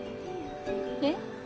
えっ？